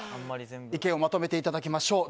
意見をまとめていただきましょう。